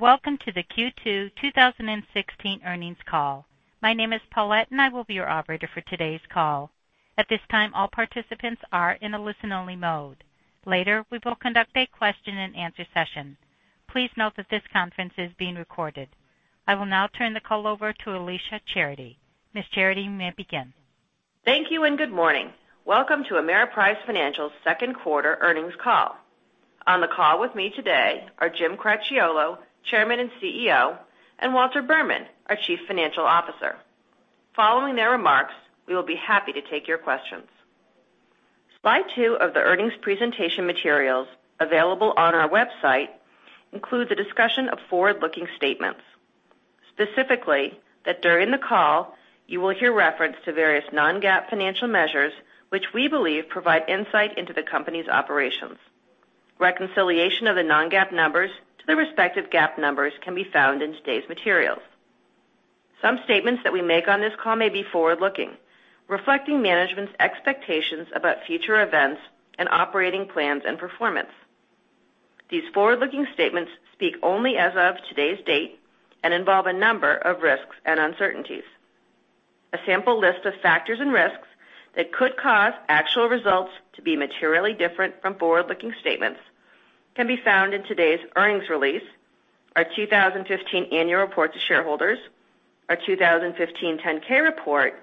Welcome to the Q2 2016 earnings call. My name is Paulette, and I will be your operator for today's call. At this time, all participants are in a listen-only mode. Later, we will conduct a question and answer session. Please note that this conference is being recorded. I will now turn the call over to Alicia Charity. Ms. Charity, you may begin. Thank you, and good morning. Welcome to Ameriprise Financial's second quarter earnings call. On the call with me today are Jim Cracchiolo, Chairman and CEO, and Walter Berman, our Chief Financial Officer. Following their remarks, we will be happy to take your questions. Slide two of the earnings presentation materials available on our website include the discussion of forward-looking statements, specifically, that during the call, you will hear reference to various non-GAAP financial measures which we believe provide insight into the company's operations. Reconciliation of the non-GAAP numbers to the respective GAAP numbers can be found in today's materials. Some statements that we make on this call may be forward-looking, reflecting management's expectations about future events and operating plans and performance. These forward-looking statements speak only as of today's date and involve a number of risks and uncertainties. A sample list of factors and risks that could cause actual results to be materially different from forward-looking statements can be found in today's earnings release, our 2015 annual report to shareholders, our 2015 10-K report,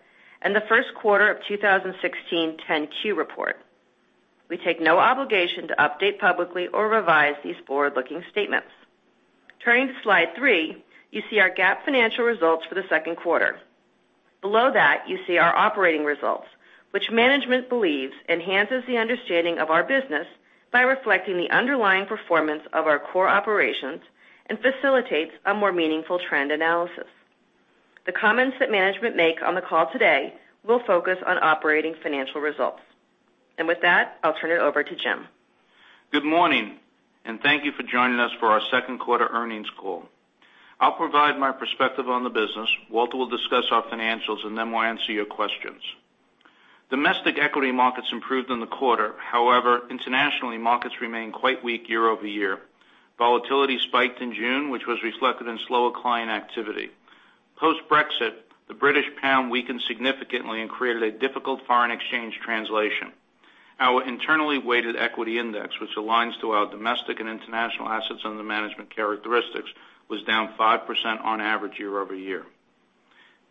and the first quarter of 2016 10-Q report. We take no obligation to update publicly or revise these forward-looking statements. Turning to slide three, you see our GAAP financial results for the second quarter. Below that, you see our operating results, which management believes enhances the understanding of our business by reflecting the underlying performance of our core operations and facilitates a more meaningful trend analysis. The comments that management make on the call today will focus on operating financial results. With that, I'll turn it over to Jim. Good morning, and thank you for joining us for our second quarter earnings call. I'll provide my perspective on the business. Walter will discuss our financials. Then we'll answer your questions. Domestic equity markets improved in the quarter. However, internationally, markets remained quite weak year-over-year. Volatility spiked in June, which was reflected in slower client activity. Post-Brexit, the British pound weakened significantly and created a difficult foreign exchange translation. Our internally weighted equity index, which aligns to our domestic and international assets under management characteristics, was down 5% on average year-over-year.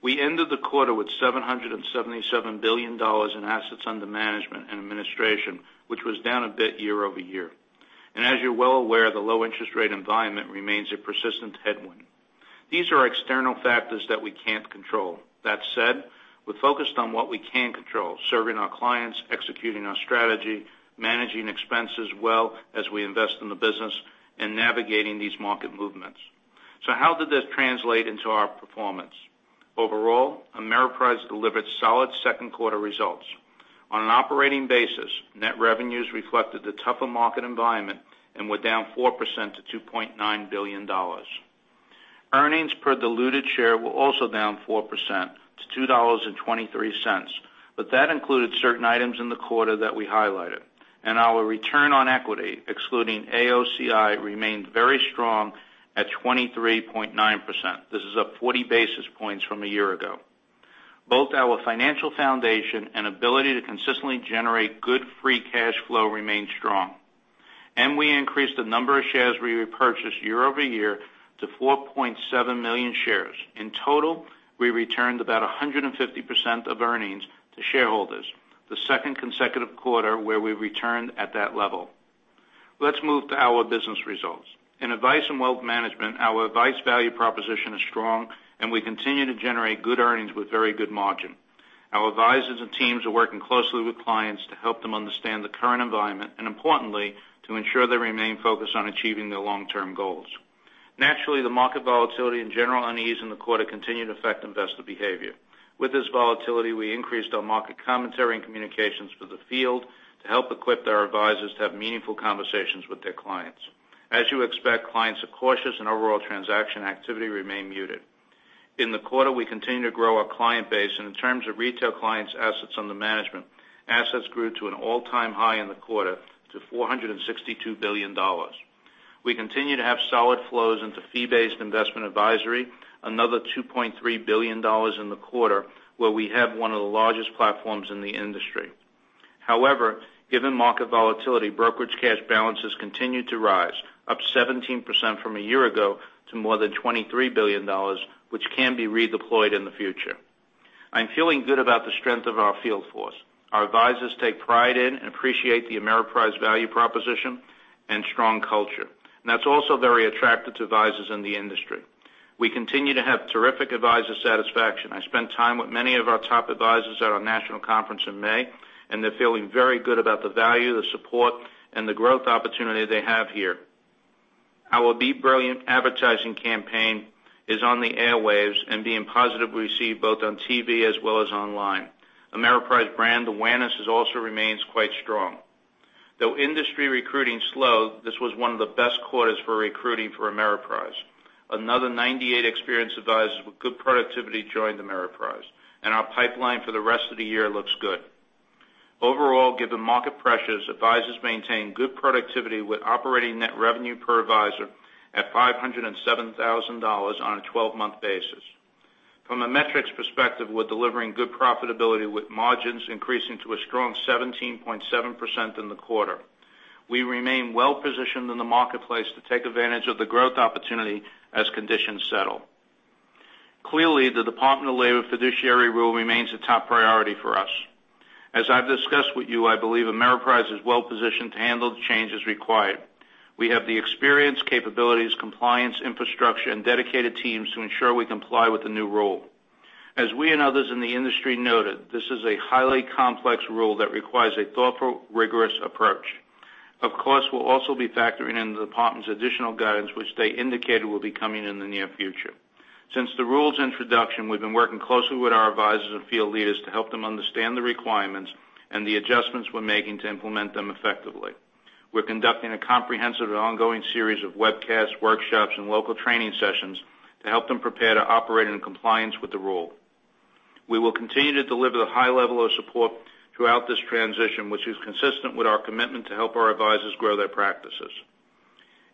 We ended the quarter with $777 billion in assets under management and administration, which was down a bit year-over-year. As you're well aware, the low interest rate environment remains a persistent headwind. These are external factors that we can't control. That said, we're focused on what we can control, serving our clients, executing our strategy, managing expenses well as we invest in the business, and navigating these market movements. How did this translate into our performance? Overall, Ameriprise delivered solid second quarter results. On an operating basis, net revenues reflected the tougher market environment and were down 4% to $2.9 billion. Earnings per diluted share were also down 4% to $2.23, but that included certain items in the quarter that we highlighted. Our return on equity, excluding AOCI, remained very strong at 23.9%. This is up 40 basis points from a year ago. Both our financial foundation and ability to consistently generate good free cash flow remained strong. We increased the number of shares we repurchased year-over-year to 4.7 million shares. In total, we returned about 150% of earnings to shareholders, the second consecutive quarter where we returned at that level. Let's move to our business results. In Advice & Wealth Management, our advice value proposition is strong, and we continue to generate good earnings with very good margin. Our advisors and teams are working closely with clients to help them understand the current environment and importantly, to ensure they remained focused on achieving their long-term goals. Naturally, the market volatility and general unease in the quarter continued to affect investor behavior. With this volatility, we increased our market commentary and communications for the field to help equip their advisors to have meaningful conversations with their clients. As you expect, clients are cautious and overall transaction activity remained muted. In the quarter, we continued to grow our client base, and in terms of retail clients assets under management, assets grew to an all-time high in the quarter to $462 billion. We continue to have solid flows into fee-based investment advisory, another $2.3 billion in the quarter, where we have one of the largest platforms in the industry. However, given market volatility, brokerage cash balances continued to rise, up 17% from a year ago to more than $23 billion, which can be redeployed in the future. I'm feeling good about the strength of our field force. Our advisors take pride in and appreciate the Ameriprise value proposition and strong culture. That's also very attractive to advisors in the industry. We continue to have terrific advisor satisfaction. I spent time with many of our top advisors at our national conference in May, and they're feeling very good about the value, the support, and the growth opportunity they have here. Our Be Brilliant advertising campaign is on the airwaves and being positively received both on TV as well as online. Ameriprise brand awareness also remains quite strong. Though industry recruiting slowed, this was one of the best quarters for recruiting for Ameriprise. Another 98 experienced advisors with good productivity joined Ameriprise, and our pipeline for the rest of the year looks good. Overall, given market pressures, advisors maintain good productivity with operating net revenue per advisor at $507,000 on a 12-month basis. From a metrics perspective, we're delivering good profitability with margins increasing to a strong 17.7% in the quarter. We remain well-positioned in the marketplace to take advantage of the growth opportunity as conditions settle. Clearly, the Department of Labor fiduciary rule remains a top priority for us. As I've discussed with you, I believe Ameriprise is well-positioned to handle the changes required. We have the experience, capabilities, compliance, infrastructure, and dedicated teams to ensure we comply with the new rule. As we and others in the industry noted, this is a highly complex rule that requires a thoughtful, rigorous approach. Of course, we'll also be factoring in the Department's additional guidance, which they indicated will be coming in the near future. Since the rule's introduction, we've been working closely with our advisors and field leaders to help them understand the requirements and the adjustments we're making to implement them effectively. We're conducting a comprehensive and ongoing series of webcasts, workshops, and local training sessions to help them prepare to operate in compliance with the rule. We will continue to deliver the high level of support throughout this transition, which is consistent with our commitment to help our advisors grow their practices.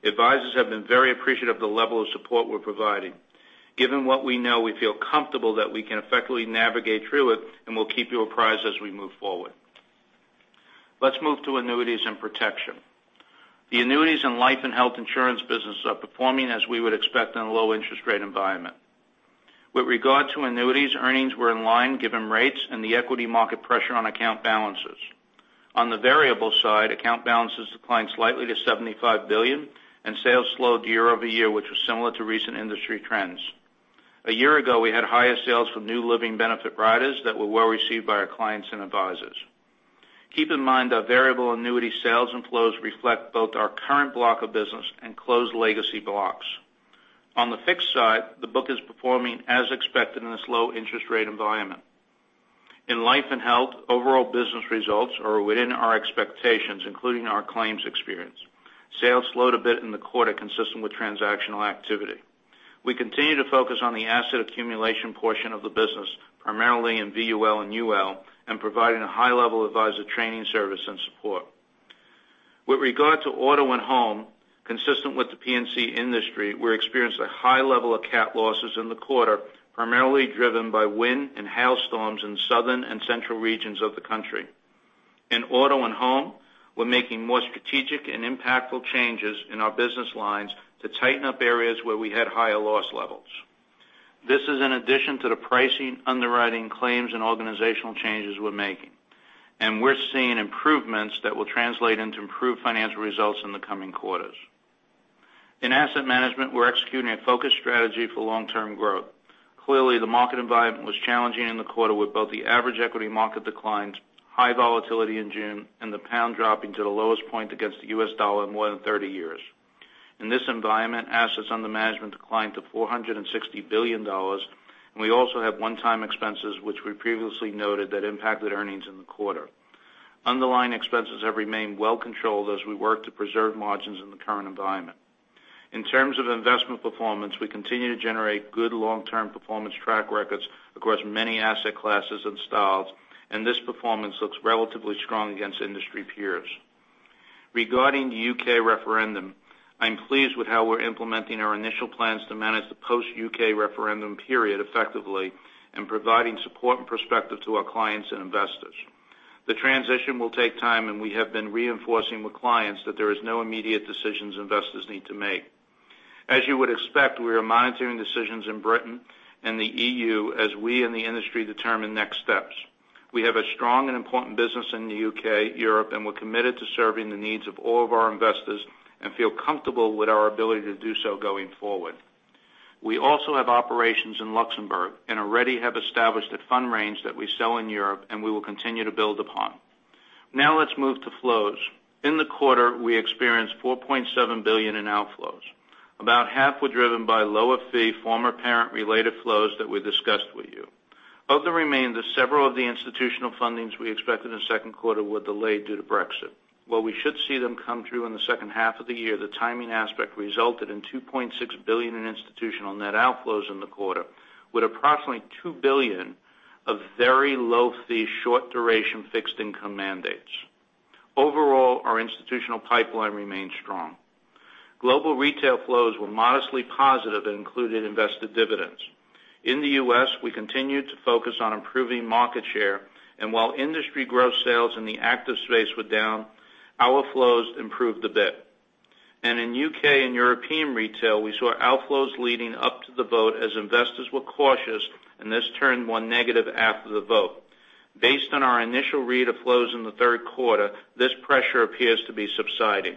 Advisors have been very appreciative of the level of support we're providing. Given what we know, we feel comfortable that we can effectively navigate through it, and we'll keep you apprised as we move forward. Let's move to annuities and protection. The annuities and life and health insurance business are performing as we would expect in a low interest rate environment. With regard to annuities, earnings were in line given rates and the equity market pressure on account balances. On the variable side, account balances declined slightly to $75 billion, and sales slowed year-over-year, which was similar to recent industry trends. A year ago, we had higher sales from new living benefit riders that were well received by our clients and advisors. Keep in mind that variable annuity sales and flows reflect both our current block of business and closed legacy blocks. On the fixed side, the book is performing as expected in this low interest rate environment. In life and health, overall business results are within our expectations, including our claims experience. Sales slowed a bit in the quarter consistent with transactional activity. We continue to focus on the asset accumulation portion of the business, primarily in VUL and UL, and providing a high level of advisor training service and support. With regard to Auto & Home, consistent with the P&C industry, we experienced a high level of cat losses in the quarter, primarily driven by wind and hail storms in southern and central regions of the country. In Auto & Home, we're making more strategic and impactful changes in our business lines to tighten up areas where we had higher loss levels. This is in addition to the pricing, underwriting, claims, and organizational changes we're making. We're seeing improvements that will translate into improved financial results in the coming quarters. In asset management, we're executing a focused strategy for long-term growth. Clearly, the market environment was challenging in the quarter with both the average equity market declines, high volatility in June, and the pound dropping to the lowest point against the U.S. dollar in more than 30 years. In this environment, assets under management declined to $460 billion, and we also have one-time expenses which we previously noted that impacted earnings in the quarter. Underlying expenses have remained well controlled as we work to preserve margins in the current environment. In terms of investment performance, we continue to generate good long-term performance track records across many asset classes and styles. This performance looks relatively strong against industry peers. Regarding the U.K. referendum, I'm pleased with how we're implementing our initial plans to manage the post U.K. referendum period effectively and providing support and perspective to our clients and investors. The transition will take time. We have been reinforcing with clients that there is no immediate decisions investors need to make. As you would expect, we are monitoring decisions in Britain and the EU as we and the industry determine next steps. We have a strong and important business in the U.K., Europe, and we're committed to serving the needs of all of our investors and feel comfortable with our ability to do so going forward. We also have operations in Luxembourg and already have established a fund range that we sell in Europe and we will continue to build upon. Now let's move to flows. In the quarter, we experienced $4.7 billion in outflows. About half were driven by lower fee former parent-related flows that we discussed with you. Of the remainder, several of the institutional fundings we expected in the second quarter were delayed due to Brexit. While we should see them come through in the second half of the year, the timing aspect resulted in $2.6 billion in institutional net outflows in the quarter, with approximately $2 billion of very low fee, short duration fixed income mandates. Overall, our institutional pipeline remains strong. Global retail flows were modestly positive and included invested dividends. In the U.S., we continued to focus on improving market share. While industry growth sales in the active space were down, outflows improved a bit. In U.K. and European retail, we saw outflows leading up to the vote as investors were cautious. This turned more negative after the vote. Based on our initial read of flows in the third quarter, this pressure appears to be subsiding.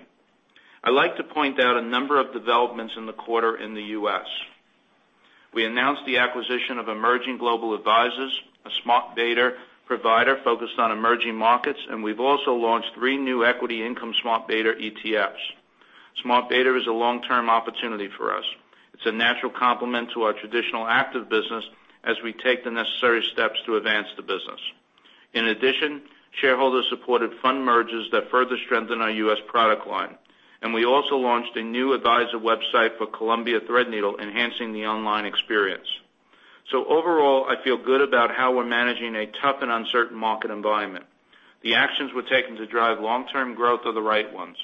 I'd like to point out a number of developments in the quarter in the U.S. We announced the acquisition of Emerging Global Advisors, a smart beta provider focused on emerging markets, and we've also launched three new equity income smart beta ETFs. Smart beta is a long-term opportunity for us. It's a natural complement to our traditional active business as we take the necessary steps to advance the business. In addition, shareholders supported fund mergers that further strengthen our U.S. product line. We also launched a new advisor website for Columbia Threadneedle, enhancing the online experience. Overall, I feel good about how we're managing a tough and uncertain market environment. The actions we're taking to drive long-term growth are the right ones.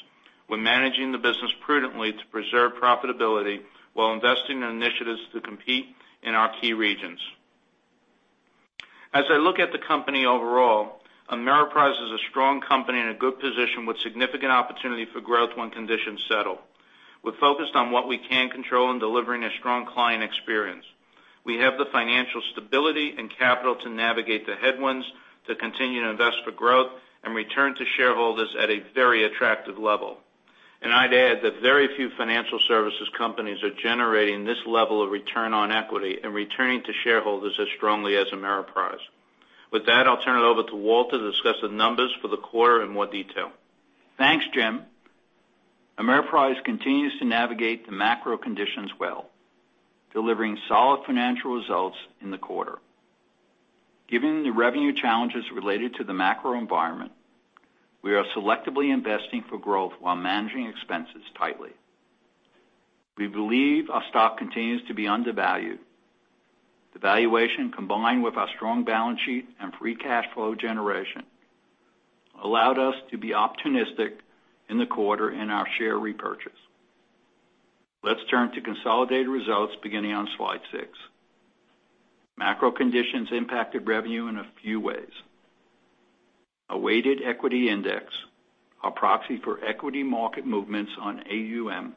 We're managing the business prudently to preserve profitability while investing in initiatives to compete in our key regions. As I look at the company overall, Ameriprise is a strong company in a good position with significant opportunity for growth when conditions settle. We're focused on what we can control and delivering a strong client experience. We have the financial stability and capital to navigate the headwinds, to continue to invest for growth, and return to shareholders at a very attractive level. I'd add that very few financial services companies are generating this level of return on equity and returning to shareholders as strongly as Ameriprise. With that, I'll turn it over to Walter to discuss the numbers for the quarter in more detail. Thanks, Jim. Ameriprise continues to navigate the macro conditions well, delivering solid financial results in the quarter. Given the revenue challenges related to the macro environment, we are selectively investing for growth while managing expenses tightly. We believe our stock continues to be undervalued. The valuation, combined with our strong balance sheet and free cash flow generation, allowed us to be opportunistic in the quarter in our share repurchase. Let's turn to consolidated results beginning on slide six. Macro conditions impacted revenue in a few ways. A weighted equity index, our proxy for equity market movements on AUM,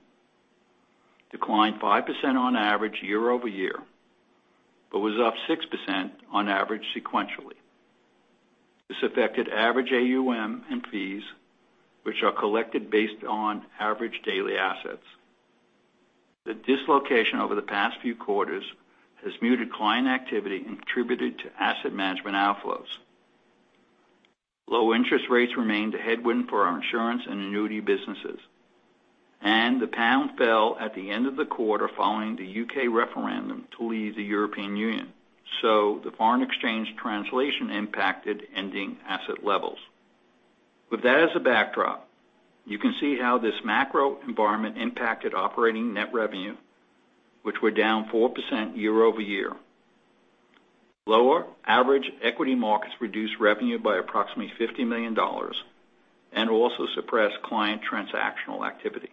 declined 5% on average year-over-year, but was up 6% on average sequentially. This affected average AUM and fees, which are collected based on average daily assets. The dislocation over the past few quarters has muted client activity and contributed to asset management outflows. Low interest rates remained a headwind for our insurance and annuity businesses. The pound fell at the end of the quarter following the UK referendum to leave the European Union, the foreign exchange translation impacted ending asset levels. With that as a backdrop, you can see how this macro environment impacted operating net revenue, which were down 4% year-over-year. Lower average equity markets reduced revenue by approximately $50 million and also suppressed client transactional activity.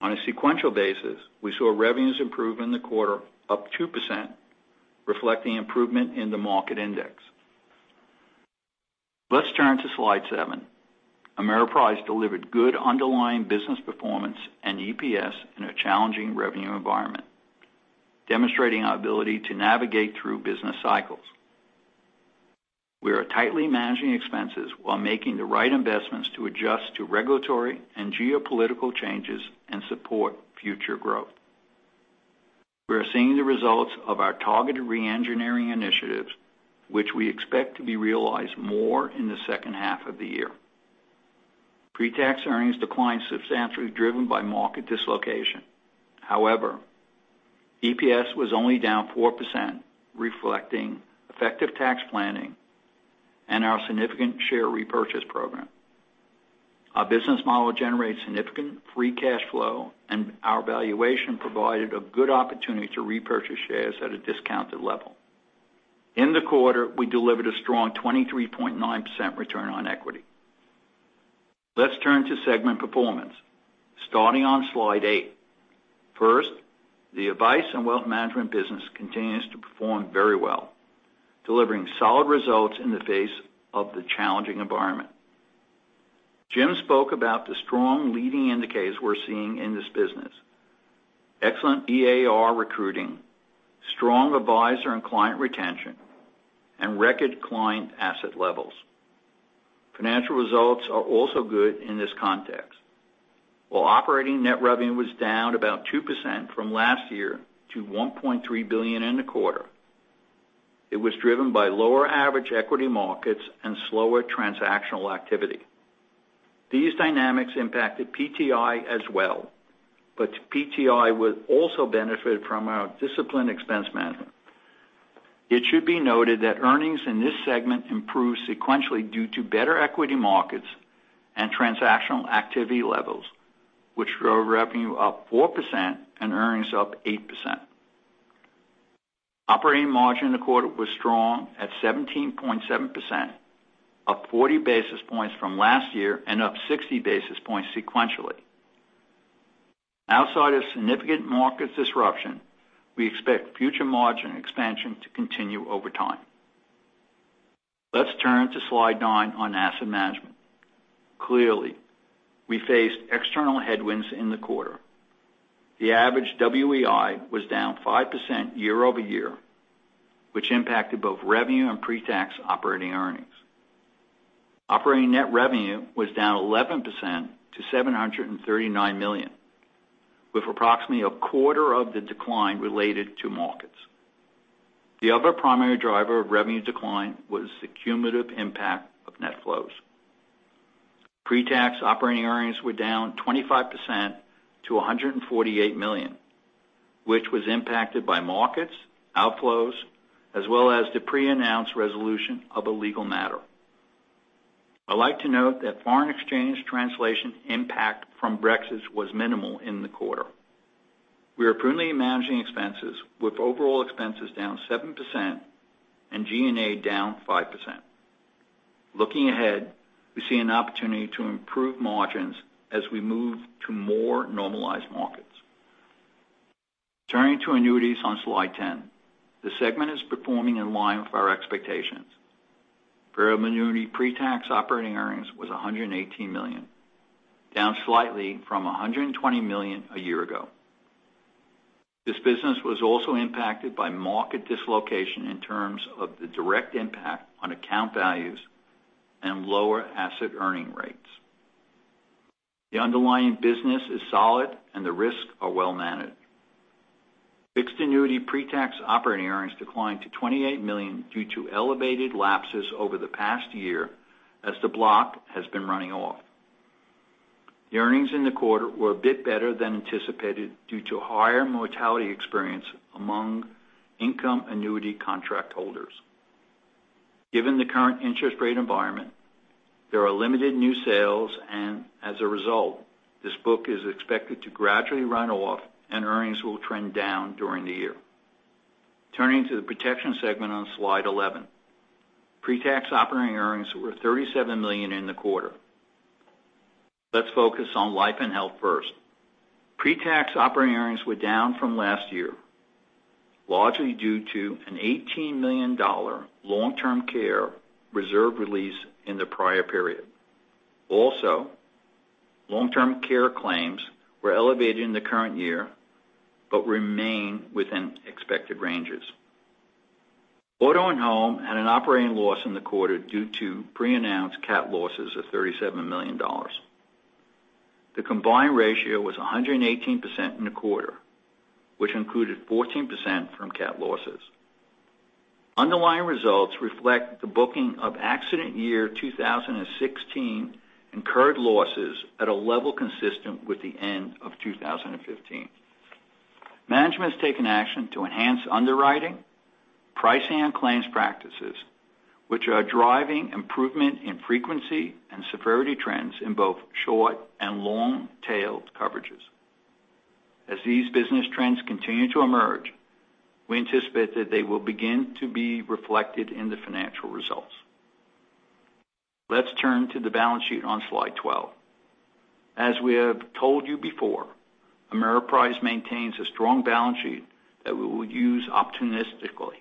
On a sequential basis, we saw revenues improve in the quarter up 2%, reflecting improvement in the market index. Let's turn to slide seven. Ameriprise delivered good underlying business performance and EPS in a challenging revenue environment, demonstrating our ability to navigate through business cycles. We are tightly managing expenses while making the right investments to adjust to regulatory and geopolitical changes and support future growth. We are seeing the results of our targeted re-engineering initiatives, which we expect to be realized more in the second half of the year. Pre-tax earnings declined substantially, driven by market dislocation. However, EPS was only down 4%, reflecting effective tax planning and our significant share repurchase program. Our business model generates significant free cash flow, and our valuation provided a good opportunity to repurchase shares at a discounted level. In the quarter, we delivered a strong 23.9% return on equity. Let's turn to segment performance, starting on slide eight. First, the Advice & Wealth Management business continues to perform very well, delivering solid results in the face of the challenging environment. Jim spoke about the strong leading indicators we're seeing in this business, excellent EAR recruiting, strong advisor and client retention, and record client asset levels. Financial results are also good in this context. While operating net revenue was down about 2% from last year to $1.3 billion in the quarter, it was driven by lower average equity markets and slower transactional activity. These dynamics impacted PTI as well, but PTI was also benefited from our disciplined expense management. It should be noted that earnings in this segment improved sequentially due to better equity markets and transactional activity levels, which drove revenue up 4% and earnings up 8%. Operating margin in the quarter was strong at 17.7%, up 40 basis points from last year and up 60 basis points sequentially. Outside of significant market disruption, we expect future margin expansion to continue over time. Let's turn to slide nine on asset management. Clearly, we faced external headwinds in the quarter. The average WEI was down 5% year-over-year, which impacted both revenue and pre-tax operating earnings. Operating net revenue was down 11% to $739 million, with approximately a quarter of the decline related to markets. The other primary driver of revenue decline was the cumulative impact of net flows. Pre-tax operating earnings were down 25% to $148 million, which was impacted by markets, outflows, as well as the pre-announced resolution of a legal matter. I'd like to note that foreign exchange translation impact from Brexit was minimal in the quarter. We are prudently managing expenses, with overall expenses down 7% and G&A down 5%. Looking ahead, we see an opportunity to improve margins as we move to more normalized markets. Turning to annuities on slide 10. The segment is performing in line with our expectations. Variable annuity pre-tax operating earnings was $118 million, down slightly from $120 million a year ago. This business was also impacted by market dislocation in terms of the direct impact on account values and lower asset earning rates. The underlying business is solid, and the risks are well-managed. Fixed annuity pre-tax operating earnings declined to $28 million due to elevated lapses over the past year as the block has been running off. The earnings in the quarter were a bit better than anticipated due to higher mortality experience among income annuity contract holders. Given the current interest rate environment, there are limited new sales, and as a result, this book is expected to gradually run off and earnings will trend down during the year. Turning to the protection segment on slide 11. Pre-tax operating earnings were $37 million in the quarter. Let's focus on life and health first. Pre-tax operating earnings were down from last year, largely due to an $18 million long-term care reserve release in the prior period. Also, long-term care claims were elevated in the current year but remain within expected ranges. Auto and Home had an operating loss in the quarter due to pre-announced cat losses of $37 million. The combined ratio was 118% in the quarter, which included 14% from cat losses. Underlying results reflect the booking of accident year 2016 incurred losses at a level consistent with the end of 2015. Management has taken action to enhance underwriting, pricing, and claims practices, which are driving improvement in frequency and severity trends in both short and long-tailed coverages. As these business trends continue to emerge, we anticipate that they will begin to be reflected in the financial results. Let's turn to the balance sheet on slide 12. As we have told you before, Ameriprise maintains a strong balance sheet that we will use opportunistically.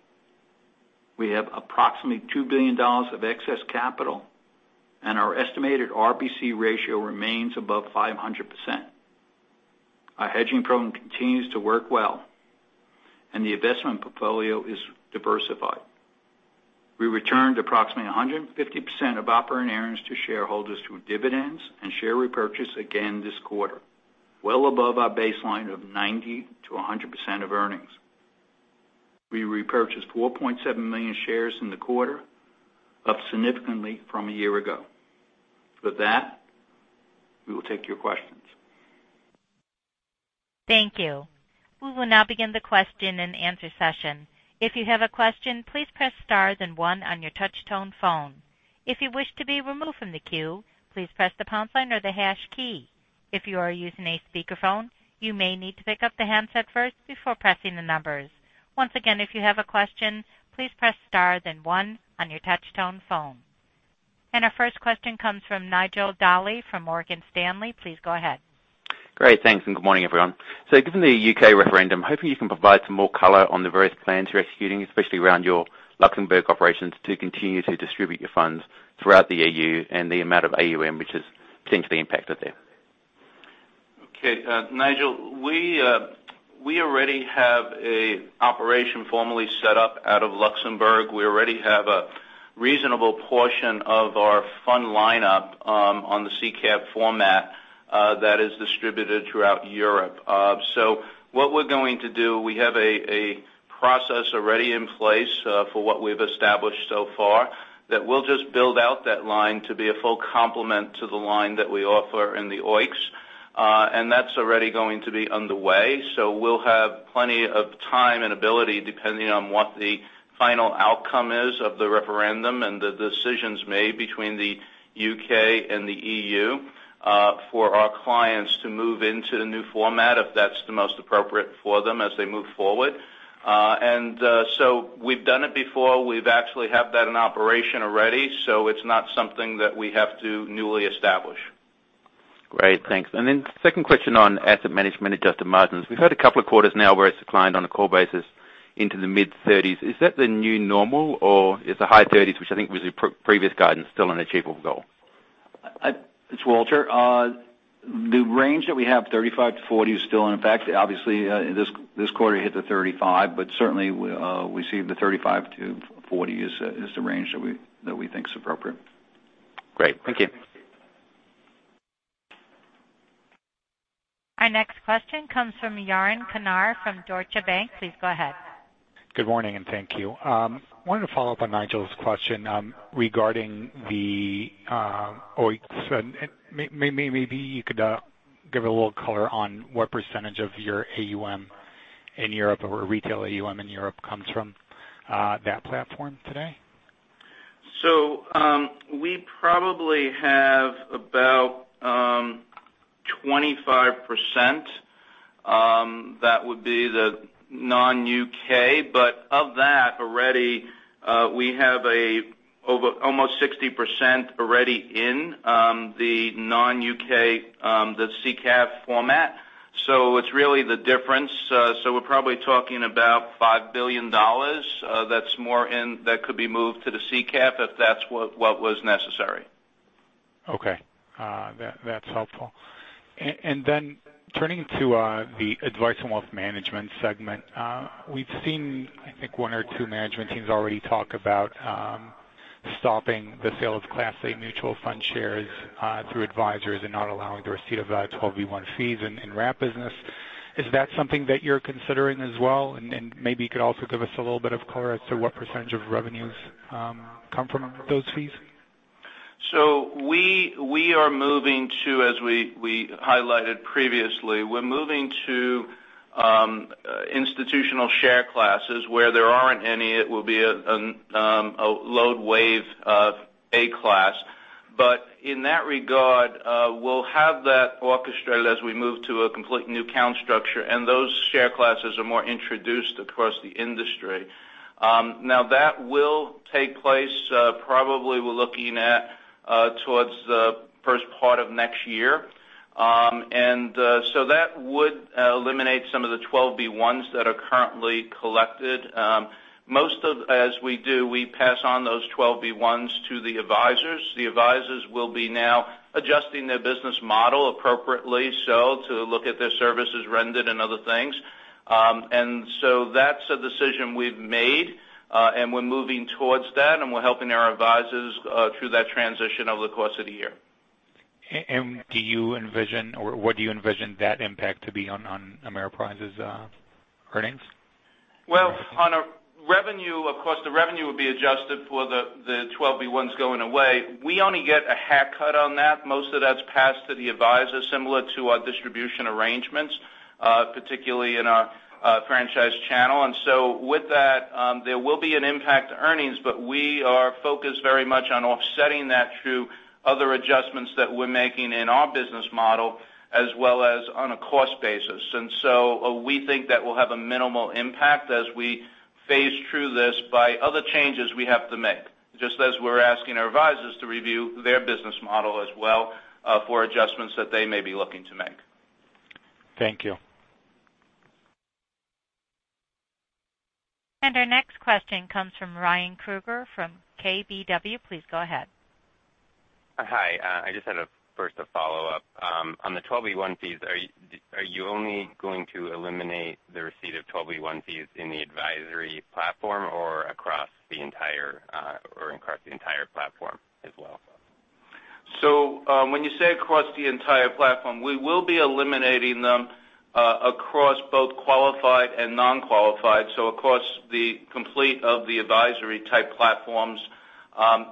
We have approximately $2 billion of excess capital, and our estimated RBC ratio remains above 500%. Our hedging program continues to work well, and the investment portfolio is diversified. We returned approximately 150% of operating earnings to shareholders through dividends and share repurchase again this quarter, well above our baseline of 90%-100% of earnings. We repurchased 4.7 million shares in the quarter, up significantly from a year ago. With that, we will take your questions. Thank you. We will now begin the question and answer session. If you have a question, please press star then one on your touch tone phone. If you wish to be removed from the queue, please press the pound sign or the hash key. If you are using a speakerphone, you may need to pick up the handset first before pressing the numbers. Once again, if you have a question, please press star then one on your touch tone phone. Our first question comes from Nigel Dally from Morgan Stanley. Please go ahead. Great. Thanks, and good morning, everyone. Given the UK referendum, hopefully you can provide some more color on the various plans you're executing, especially around your Luxembourg operations to continue to distribute your funds throughout the EU and the amount of AUM which is potentially impacted there. Okay. Nigel, we already have an operation formally set up out of Luxembourg. We already have a reasonable portion of our fund lineup on the SICAV format that is distributed throughout Europe. What we're going to do, we have a process already in place for what we've established so far, that we'll just build out that line to be a full complement to the line that we offer in the OEICs, and that's already going to be underway. We'll have plenty of time and ability, depending on what the final outcome is of the referendum and the decisions made between the U.K. and the EU, for our clients to move into the new format if that's the most appropriate for them as they move forward. We've done it before. We've actually had that in operation already, so it's not something that we have to newly establish. Great. Thanks. Second question on asset management adjusted margins. We've heard a couple of quarters now where it's declined on a core basis into the mid-30s. Is that the new normal, or is the high 30s, which I think was your previous guidance, still an achievable goal? It's Walter. The range that we have, 35-40, is still in effect. Obviously, this quarter hit the 35, but certainly, we see the 35-40 as the range that we think is appropriate. Great. Thank you. Our next question comes from Yaron Kinar from Deutsche Bank. Please go ahead. Good morning, and thank you. I wanted to follow up on Nigel's question regarding the OEICs. Maybe you could give a little color on what percentage of your AUM in Europe, or retail AUM in Europe comes from that platform today? We probably have about 25%. That would be the non-U.K. Of that, already, we have almost 60% already in the non-U.K., the SICAV format. It's really the difference. We're probably talking about $5 billion that could be moved to the SICAV, if that's what was necessary. Okay. That's helpful. Turning to the Advice & Wealth Management segment. We've seen, I think, one or two management teams already talk about stopping the sale of Class A mutual fund shares through advisors and not allowing the receipt of 12b-1 fees in wrap business. Is that something that you're considering as well? Maybe you could also give us a little bit of color as to what percentage of revenues come from those fees. We are moving to, as we highlighted previously, we're moving to institutional share classes. Where there aren't any, it will be a load-waived Class A. In that regard, we'll have that orchestrated as we move to a complete new account structure, and those share classes are more introduced across the industry. Now, that will take place, probably we're looking at towards the first part of next year. That would eliminate some of the 12b-1s that are currently collected. Most of, as we do, we pass on those 12b-1s to the advisors. The advisors will be now adjusting their business model appropriately so to look at their services rendered and other things. That's a decision we've made, and we're moving towards that, and we're helping our advisors through that transition over the course of the year. Do you envision, or what do you envision that impact to be on Ameriprise's earnings? Well, on a revenue, of course, the revenue would be adjusted for the 12b-1s going away. We only get a haircut on that. Most of that's passed to the advisor, similar to our distribution arrangements, particularly in our franchise channel. With that, there will be an impact to earnings, but we are focused very much on offsetting that through other adjustments that we're making in our business model as well as on a cost basis. We think that will have a minimal impact as we phase through this by other changes we have to make. Just as we're asking our advisors to review their business model as well for adjustments that they may be looking to make. Thank you. Our next question comes from Ryan Krueger from KBW. Please go ahead. Hi. I just had a first, a follow-up. On the 12b-1 fees, are you only going to eliminate the receipt of 12b-1 fees in the advisory platform or across the entire platform as well? When you say across the entire platform, we will be eliminating them across both qualified and non-qualified. Across the complete of the advisory type platforms.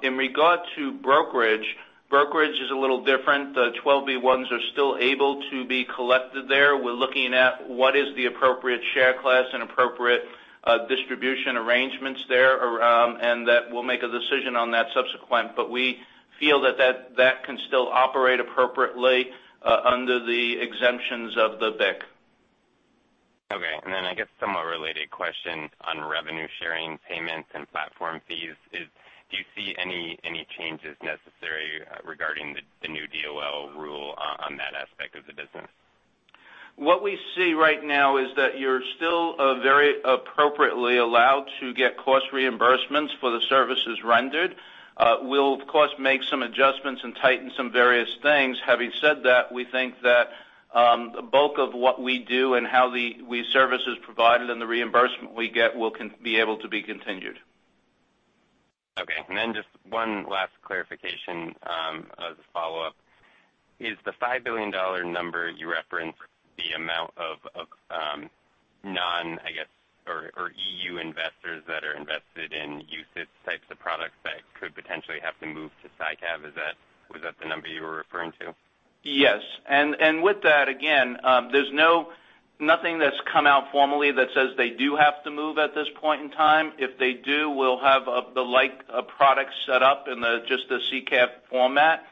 In regard to brokerage is a little different. The 12b-1s are still able to be collected there. We're looking at what is the appropriate share class and appropriate distribution arrangements there, that we'll make a decision on that subsequent. We feel that can still operate appropriately under the exemptions of the BIC. Okay. I guess somewhat related question on revenue sharing payments and platform fees is, do you see any changes necessary regarding the new DOL rule on that aspect of the business? What we see right now is that you're still very appropriately allowed to get cost reimbursements for the services rendered. We'll, of course, make some adjustments and tighten some various things. Having said that, we think that the bulk of what we do and how the services provided and the reimbursement we get will be able to be continued. Okay. Then just one last clarification as a follow-up. Is the $5 billion number you referenced the amount of non, I guess, or EU investors that are invested in UCITS types of products that could potentially have to move to SICAV? Was that the number you were referring to? Yes. With that, again, there's nothing that's come out formally that says they do have to move at this point in time. If they do, we'll have the like product set up in just the SICAV format.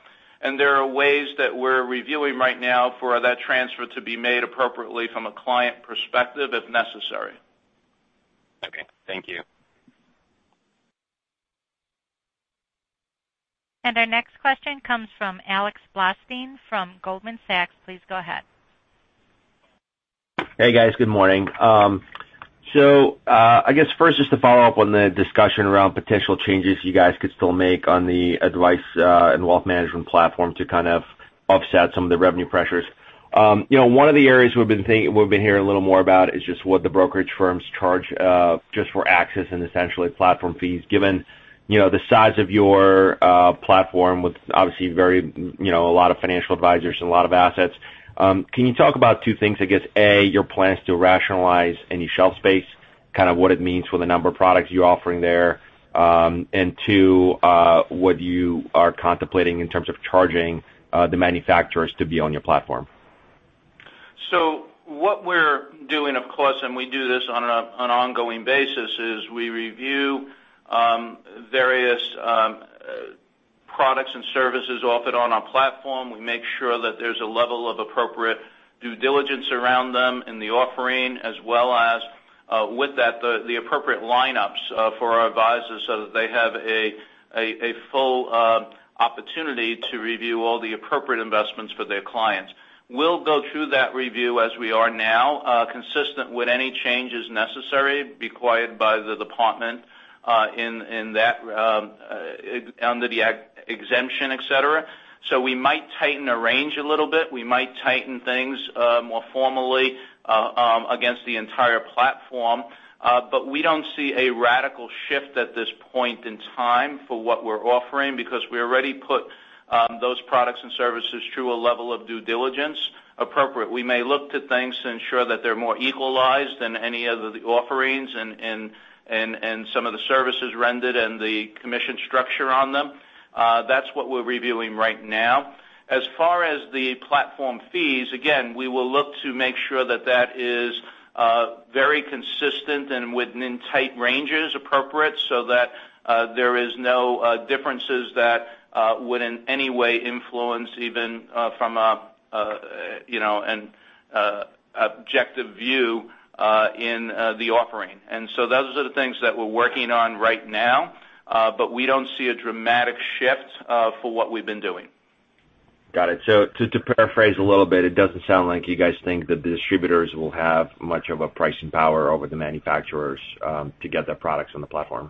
There are ways that we're reviewing right now for that transfer to be made appropriately from a client perspective if necessary. Okay. Thank you. Our next question comes from Alexander Blostein from Goldman Sachs. Please go ahead. Hey, guys. Good morning. I guess first, just to follow up on the discussion around potential changes you guys could still make on the Advice & Wealth Management platform to kind of offset some of the revenue pressures. One of the areas we've been hearing a little more about is just what the brokerage firms charge just for access and essentially platform fees. Given the size of your platform with obviously a lot of financial advisors and a lot of assets, can you talk about two things? I guess, A, your plans to rationalize any shelf space Kind of what it means for the number of products you're offering there, and two, what you are contemplating in terms of charging the manufacturers to be on your platform. What we're doing, of course, and we do this on an ongoing basis, is we review various products and services offered on our platform. We make sure that there's a level of appropriate due diligence around them in the offering, as well as with that, the appropriate lineups for our advisors so that they have a full opportunity to review all the appropriate investments for their clients. We'll go through that review as we are now, consistent with any changes necessary required by the Department under the exemption, et cetera. We might tighten a range a little bit. We might tighten things more formally against the entire platform. We don't see a radical shift at this point in time for what we're offering, because we already put those products and services through a level of due diligence appropriate. We may look to things to ensure that they're more equalized than any other offerings, and some of the services rendered and the commission structure on them. That's what we're reviewing right now. As far as the platform fees, again, we will look to make sure that that is very consistent and within tight ranges appropriate so that there is no differences that would in any way influence even from an objective view in the offering. Those are the things that we're working on right now. We don't see a dramatic shift for what we've been doing. Got it. To paraphrase a little bit, it doesn't sound like you guys think that the distributors will have much of a pricing power over the manufacturers to get their products on the platform.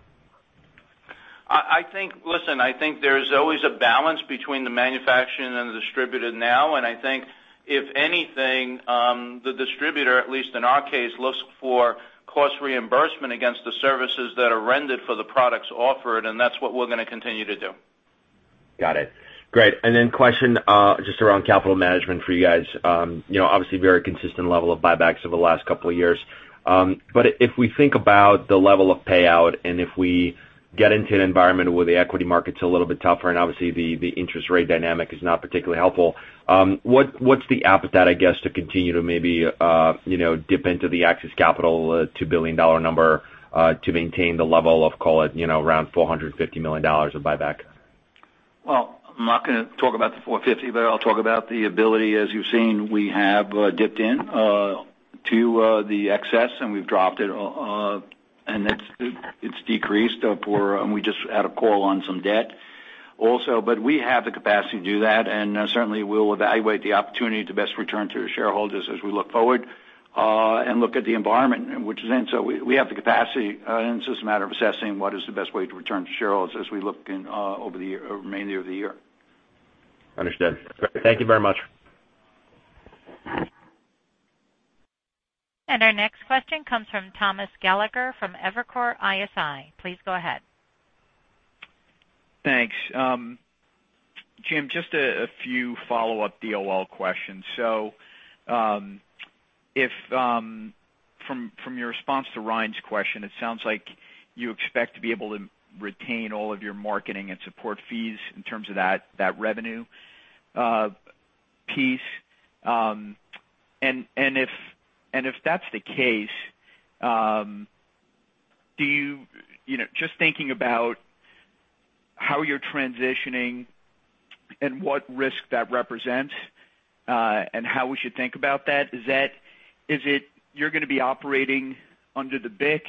Listen, I think there's always a balance between the manufacturer and the distributor now. I think if anything, the distributor, at least in our case, looks for cost reimbursement against the services that are rendered for the products offered. That's what we're going to continue to do. Got it. Great. Then question just around capital management for you guys. Obviously, very consistent level of buybacks over the last couple of years. If we think about the level of payout, and if we get into an environment where the equity market's a little bit tougher, and obviously the interest rate dynamic is not particularly helpful, what's the appetite, I guess, to continue to maybe dip into the excess capital, $2 billion number to maintain the level of, call it, around $450 million of buyback? Well, I'm not going to talk about the 450, I'll talk about the ability. As you've seen, we have dipped into the excess, and we've dropped it, and it's decreased, and we just had a call on some debt also. We have the capacity to do that, and certainly, we'll evaluate the opportunity to best return to our shareholders as we look forward and look at the environment which is in. We have the capacity, and it's just a matter of assessing what is the best way to return to shareholders as we look over the remainder of the year. Understood. Great. Thank you very much. Our next question comes from Thomas Gallagher from Evercore ISI. Please go ahead. Thanks. Jim, just a few follow-up DOL questions. From your response to Ryan's question, it sounds like you expect to be able to retain all of your marketing and support fees in terms of that revenue piece. If that's the case, just thinking about how you're transitioning and what risk that represents, and how we should think about that, you're going to be operating under the BIC,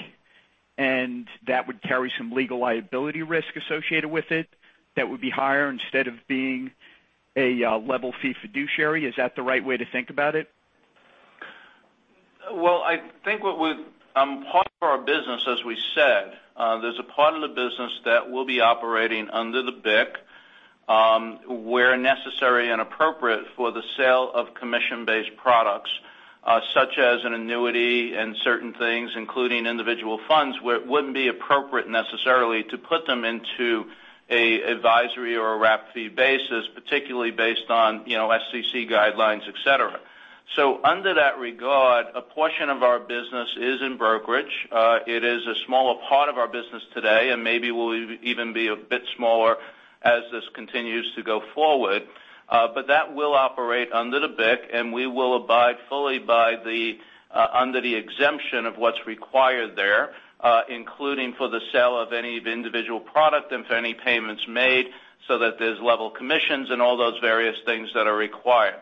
and that would carry some legal liability risk associated with it that would be higher instead of being a level fee fiduciary. Is that the right way to think about it? Well, part of our business, as we said, there's a part of the business that will be operating under the BIC, where necessary and appropriate for the sale of commission-based products, such as an annuity and certain things, including individual funds, where it wouldn't be appropriate necessarily to put them into a advisory or a wrap fee basis, particularly based on SEC guidelines, et cetera. Under that regard, a portion of our business is in brokerage. It is a smaller part of our business today, and maybe will even be a bit smaller as this continues to go forward. That will operate under the BIC, and we will abide fully under the exemption of what's required there, including for the sale of any individual product and for any payments made so that there's level commissions and all those various things that are required.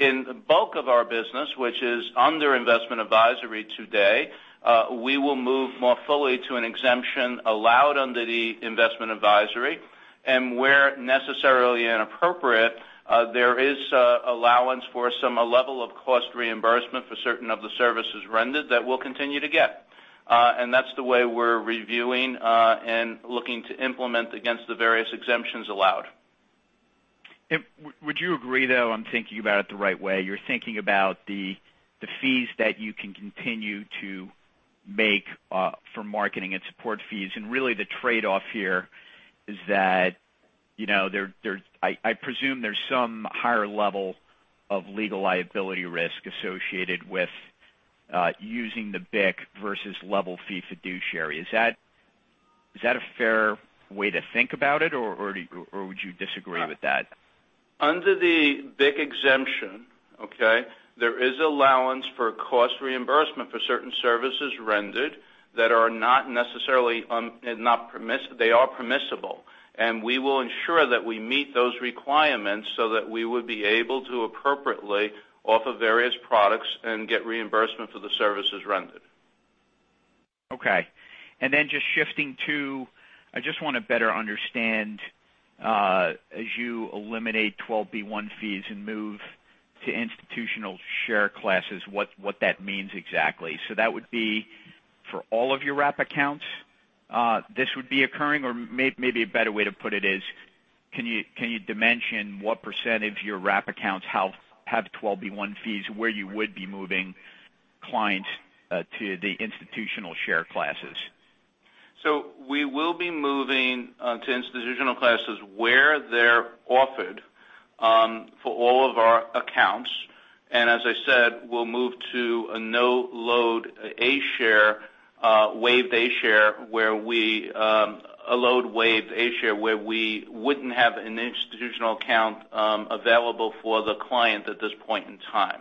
In the bulk of our business, which is under investment advisory today, we will move more fully to an exemption allowed under the investment advisory. Where necessarily inappropriate, there is allowance for some level of cost reimbursement for certain of the services rendered that we'll continue to get. That's the way we're reviewing and looking to implement against the various exemptions allowed. Would you agree, though, I'm thinking about it the right way? You're thinking about the fees that you can continue to make for marketing and support fees. Really the trade-off here is that I presume there's some higher level of legal liability risk associated with using the BIC versus level fee fiduciary. Is that a fair way to think about it, or would you disagree with that? Under the BIC exemption, okay, there is allowance for cost reimbursement for certain services rendered that are permissible. We will ensure that we meet those requirements so that we would be able to appropriately offer various products and get reimbursement for the services rendered. Okay. Then just shifting to, I just want to better understand, as you eliminate 12b-1 fees and move to institutional share classes, what that means exactly. That would be for all of your wrap accounts, this would be occurring? Maybe a better way to put it is, can you dimension what % of your wrap accounts have 12b-1 fees where you would be moving clients to the institutional share classes? We will be moving to institutional classes where they're offered for all of our accounts. As I said, we'll move to a load-waived A-share where we wouldn't have an institutional account available for the client at this point in time.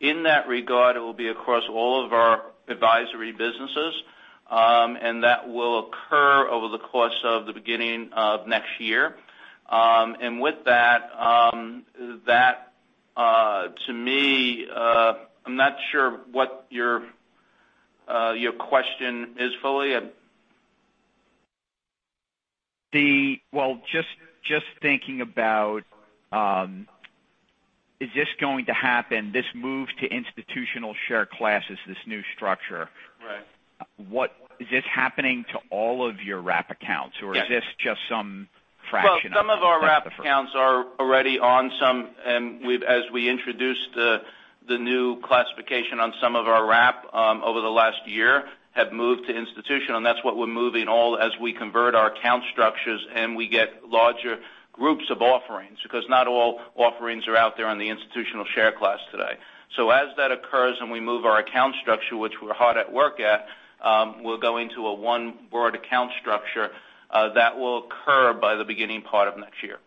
In that regard, it will be across all of our advisory businesses. That will occur over the course of the beginning of next year. With that, to me, I'm not sure what your question is fully. Well, just thinking about, is this going to happen, this move to institutional share classes, this new structure? Right. Is this happening to all of your wrap accounts? Yes. Is this just some fraction of it? Well, some of our wrap accounts are already on some. As we introduced the new classification on some of our wrap over the last year, have moved to institutional, and that is what we are moving all as we convert our account structures and we get larger groups of offerings. Not all offerings are out there on the institutional share class today. As that occurs, and we move our account structure, which we are hard at work at, we will go into a one broad account structure that will occur by the beginning part of next year.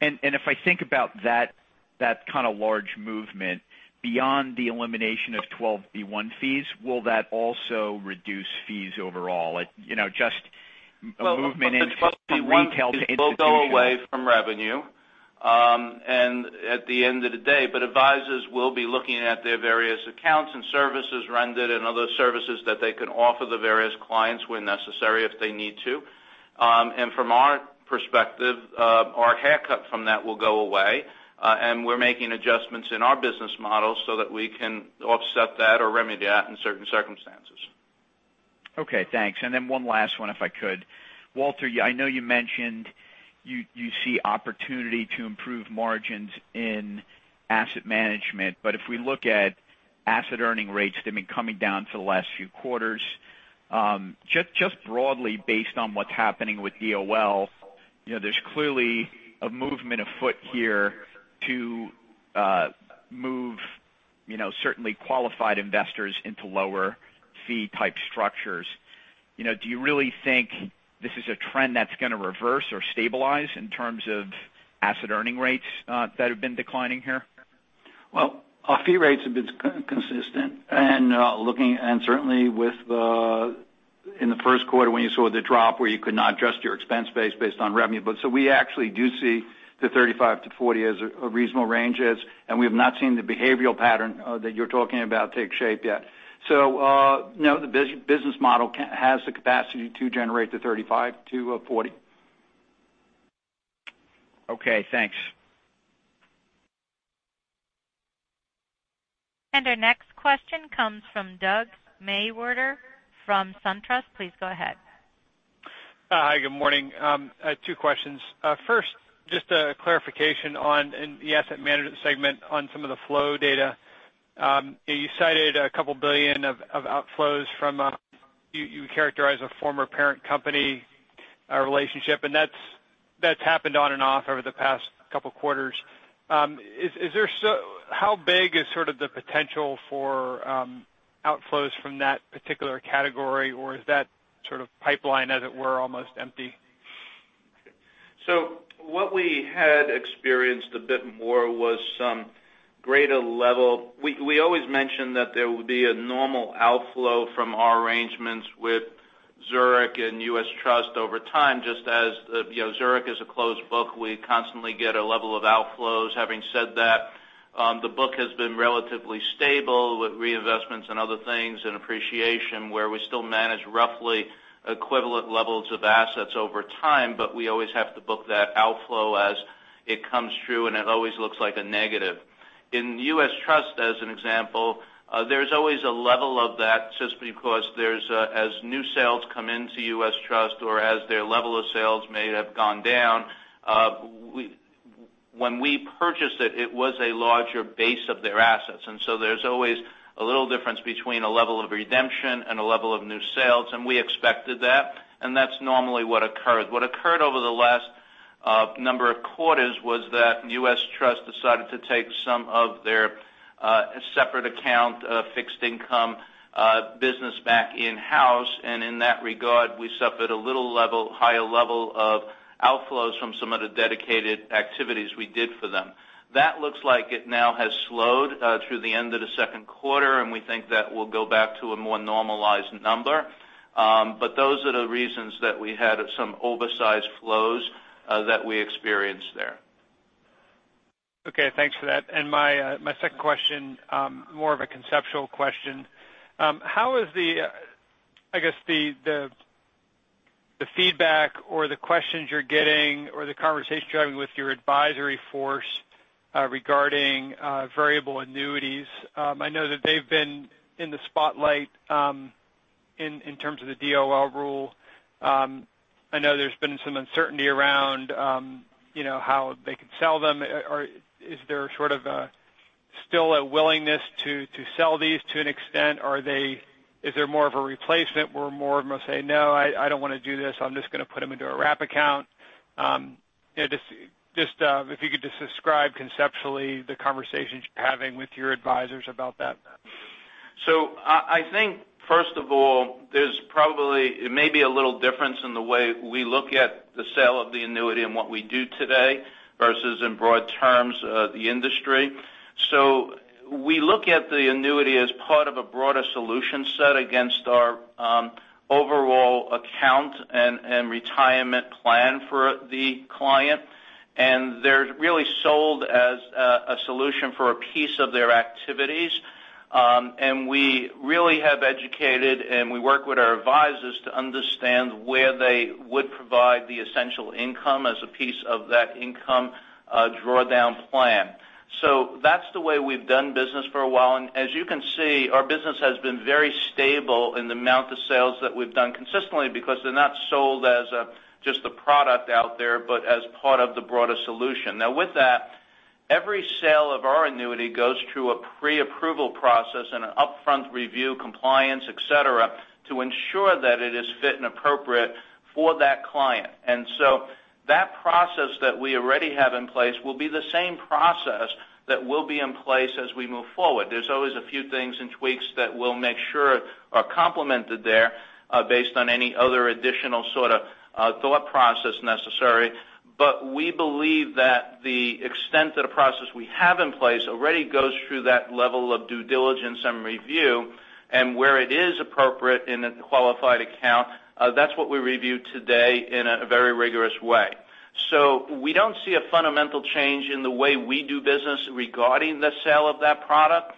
If I think about that kind of large movement beyond the elimination of 12b-1 fees, will that also reduce fees overall? Just a movement in from retail to institutional. Well, the 12b-1 fees will go away from revenue. At the end of the day, advisors will be looking at their various accounts and services rendered and other services that they can offer the various clients when necessary if they need to. From our perspective, our haircut from that will go away. We are making adjustments in our business model so that we can offset that or remedy that in certain circumstances. Okay, thanks. Then one last one, if I could. Walter, I know you mentioned you see opportunity to improve margins in asset management, but if we look at asset earning rates, they have been coming down for the last few quarters. Just broadly based on what is happening with DOL, there is clearly a movement afoot here to move certainly qualified investors into lower fee type structures. Do you really think this is a trend that is going to reverse or stabilize in terms of asset earning rates that have been declining here? Well, our fee rates have been consistent, certainly in the first quarter when you saw the drop where you could not adjust your expense base based on revenue. We actually do see the 35%-40% as a reasonable range is, and we have not seen the behavioral pattern that you're talking about take shape yet. No, the business model has the capacity to generate the 35%-40%. Okay, thanks. Our next question comes from Doug Mewhirter from SunTrust. Please go ahead. Hi, good morning. I have two questions. First, just a clarification on the asset management segment on some of the flow data. You cited a couple billion of outflows from, you characterized, a former parent company relationship, and that's happened on and off over the past couple quarters. How big is sort of the potential for outflows from that particular category? Or is that sort of pipeline, as it were, almost empty? What we had experienced a bit more was some greater level. We always mentioned that there would be a normal outflow from our arrangements with Zurich and U.S. Trust over time, just as Zurich is a closed book, we constantly get a level of outflows. Having said that, the book has been relatively stable with reinvestments and other things, and appreciation, where we still manage roughly equivalent levels of assets over time, but we always have to book that outflow as it comes through, and it always looks like a negative. In U.S. Trust, as an example, there's always a level of that just because as new sales come into U.S. Trust or as their level of sales may have gone down, when we purchased it was a larger base of their assets. There's always a little difference between a level of redemption and a level of new sales, and we expected that. That's normally what occurred. What occurred over the last number of quarters was that U.S. Trust decided to take some of their separate account fixed income business back in-house. In that regard, we suffered a little higher level of outflows from some of the dedicated activities we did for them. That looks like it now has slowed through the end of the second quarter, and we think that we'll go back to a more normalized number. Those are the reasons that we had some oversized flows that we experienced there. Okay, thanks for that. My second question, more of a conceptual question. How is the feedback or the questions you're getting or the conversations you're having with your advisory force regarding variable annuities? I know that they've been in the spotlight in terms of the DOL rule. I know there's been some uncertainty around how they could sell them. Is there sort of still a willingness to sell these to an extent? Is there more of a replacement where more of them are saying, "No, I don't want to do this. I'm just going to put them into a wrap account." If you could just describe conceptually the conversations you're having with your advisors about that. I think, first of all, there's probably, it may be a little difference in the way we look at the sale of the annuity and what we do today versus in broad terms the industry. We look at the annuity as part of a broader solution set against our overall account and retirement plan for the client. They're really sold as a solution for a piece of their activities. We really have educated and we work with our advisors to understand where they would provide the essential income as a piece of that income drawdown plan. That's the way we've done business for a while. As you can see, our business has been very stable in the amount of sales that we've done consistently because they're not sold as just a product out there, but as part of the broader solution. With that, every sale of our annuity goes through a pre-approval process and an upfront review, compliance, et cetera, to ensure that it is fit and appropriate for that client. That process that we already have in place will be the same process that will be in place as we move forward. There's always a few things and tweaks that we'll make sure are complemented there based on any other additional thought process necessary. We believe that the extent of the process we have in place already goes through that level of due diligence and review. Where it is appropriate in a qualified account, that's what we review today in a very rigorous way. We don't see a fundamental change in the way we do business regarding the sale of that product.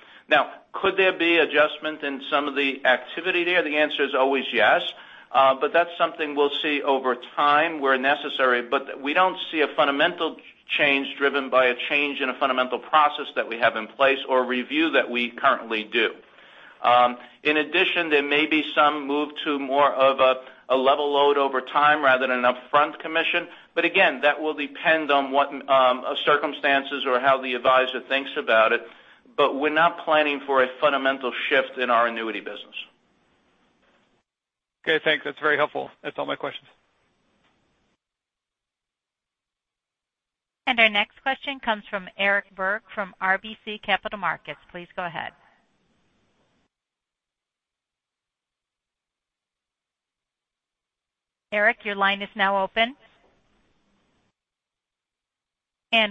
Could there be adjustment in some of the activity there? The answer is always yes. That's something we'll see over time where necessary. We don't see a fundamental change driven by a change in a fundamental process that we have in place or review that we currently do. In addition, there may be some move to more of a level load over time rather than an upfront commission. Again, that will depend on what circumstances or how the advisor thinks about it. We're not planning for a fundamental shift in our annuity business. Okay, thanks. That's very helpful. That's all my questions. Our next question comes from Eric Berg from RBC Capital Markets. Please go ahead. Eric, your line is now open.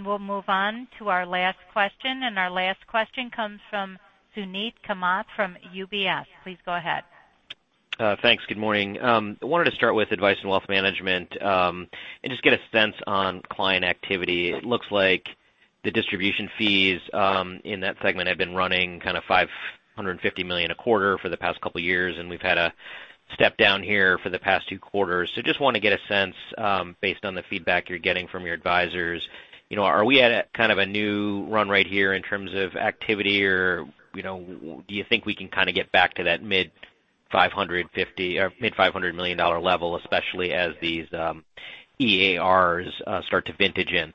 We'll move on to our last question. Our last question comes from Suneet Kamath from UBS. Please go ahead. Thanks. Good morning. I wanted to start with Advice & Wealth Management and just get a sense on client activity. It looks like the distribution fees in that segment have been running $550 million a quarter for the past couple of years, and we've had a step down here for the past two quarters. Just want to get a sense based on the feedback you're getting from your advisors, are we at a new run right here in terms of activity or do you think we can get back to that mid $550 million or mid $500 million level, especially as these EARs start to vintage in?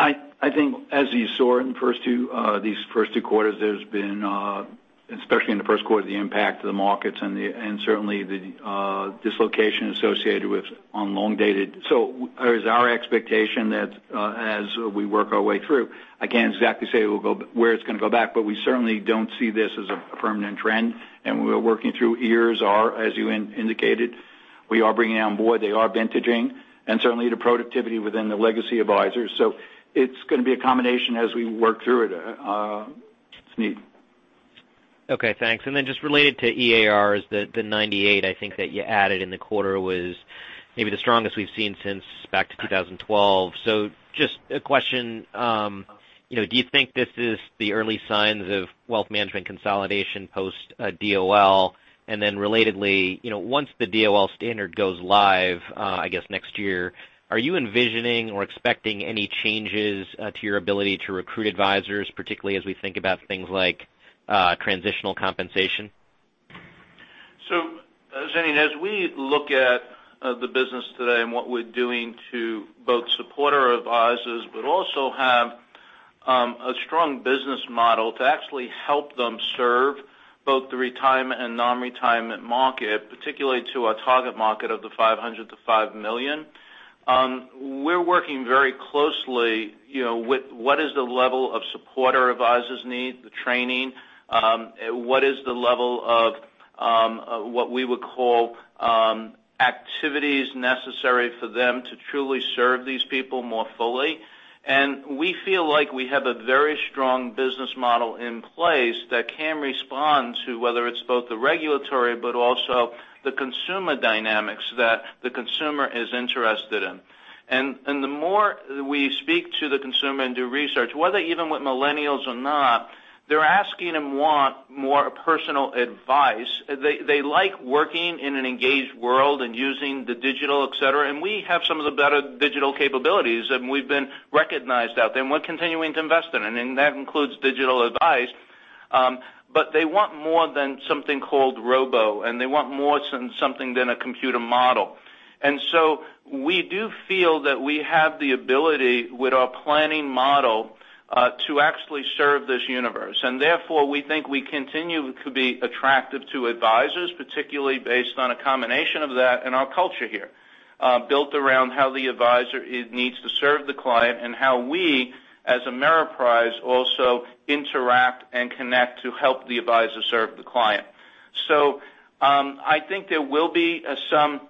I think as you saw in these first two quarters, there's been, especially in the first quarter, the impact of the markets and certainly the dislocation associated with on long dated. It is our expectation that as we work our way through, I can't exactly say where it's going to go back, but we certainly don't see this as a permanent trend. We're working through EARs are, as you indicated, we are bringing on board. They are vintaging and certainly the productivity within the legacy advisors. It's going to be a combination as we work through it, Suneet. Okay, thanks. Just related to EARs, the 98 I think that you added in the quarter was maybe the strongest we've seen since back to 2012. Just a question, do you think this is the early signs of wealth management consolidation post-DOL? Relatedly, once the DOL standard goes live, I guess, next year, are you envisioning or expecting any changes to your ability to recruit advisors, particularly as we think about things like transitional compensation? Suneet, as we look at the business today and what we're doing to both support our advisors, but also have a strong business model to actually help them serve both the retirement and non-retirement market, particularly to our target market of the $500,000 to $5 million. We're working very closely with what is the level of support our advisors need, the training, what is the level of what we would call activities necessary for them to truly serve these people more fully. We feel like we have a very strong business model in place that can respond to whether it's both the regulatory, but also the consumer dynamics that the consumer is interested in. The more we speak to the consumer and do research, whether even with millennials or not, they're asking and want more personal advice. They like working in an engaged world and using the digital, et cetera, we have some of the better digital capabilities, we've been recognized out there, and we're continuing to invest in it. That includes digital advice. They want more than something called robo, and they want more than something than a computer model. We do feel that we have the ability with our planning model to actually serve this universe. Therefore, we think we continue to be attractive to advisors, particularly based on a combination of that and our culture here, built around how the advisor needs to serve the client and how we, as Ameriprise, also interact and connect to help the advisor serve the client. I think there will be some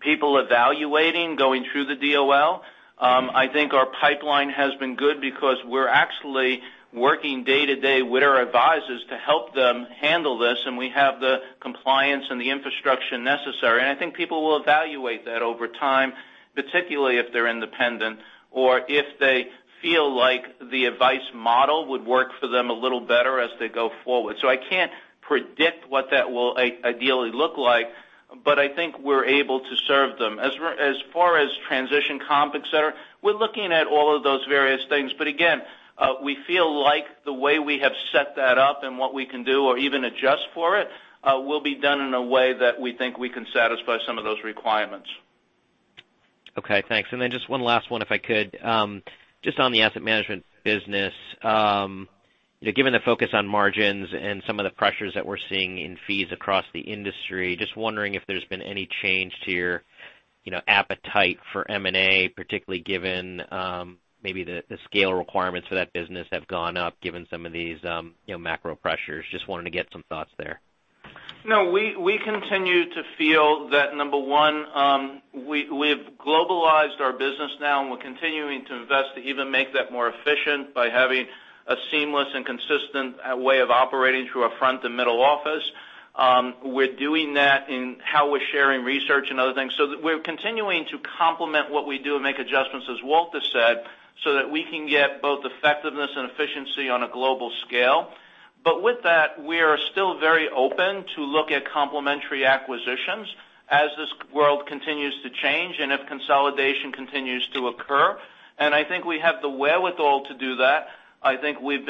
people evaluating going through the DOL. I think our pipeline has been good because we're actually working day to day with our advisors to help them handle this, and we have the compliance and the infrastructure necessary. I think people will evaluate that over time, particularly if they're independent or if they feel like the advice model would work for them a little better as they go forward. I can't predict what that will ideally look like, but I think we're able to serve them. As far as transition comp, et cetera, we're looking at all of those various things. Again, we feel like the way we have set that up and what we can do or even adjust for it, will be done in a way that we think we can satisfy some of those requirements. Okay, thanks. Just one last one, if I could. Just on the asset management business. Given the focus on margins and some of the pressures that we're seeing in fees across the industry, just wondering if there's been any change to your appetite for M&A, particularly given maybe the scale requirements for that business have gone up given some of these macro pressures. Just wanted to get some thoughts there. No, we continue to feel that, number one, we've globalized our business now, we're continuing to invest to even make that more efficient by having a seamless and consistent way of operating through our front and middle office. We're doing that in how we're sharing research and other things. We're continuing to complement what we do and make adjustments, as Walter said, so that we can get both effectiveness and efficiency on a global scale. With that, we are still very open to look at complementary acquisitions as this world continues to change and if consolidation continues to occur. I think we have the wherewithal to do that. I think we've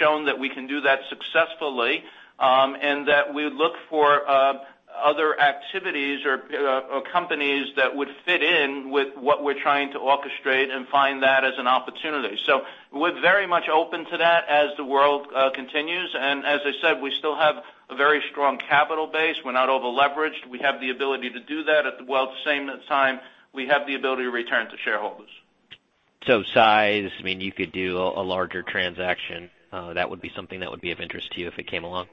shown that we can do that successfully, and that we look for other activities or companies that would fit in with what we're trying to orchestrate and find that as an opportunity. We're very much open to that as the world continues, as I said, we still have a very strong capital base. We're not over-leveraged. We have the ability to do that. At the same time, we have the ability to return to shareholders. Size, you could do a larger transaction. That would be something that would be of interest to you if it came along?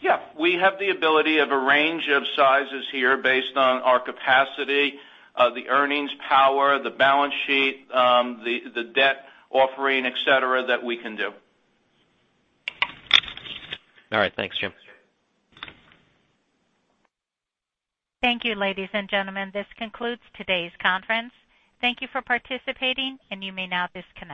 Yeah. We have the ability of a range of sizes here based on our capacity, the earnings power, the balance sheet, the debt offering, et cetera, that we can do. All right. Thanks, Jim. Thank you, ladies and gentlemen. This concludes today's conference. Thank you for participating, and you may now disconnect.